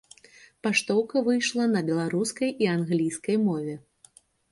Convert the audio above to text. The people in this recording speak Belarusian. Паштоўка выйшла на беларускай і англійскай мове.